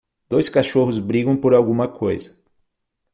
Dois cachorros brigam por alguma coisa.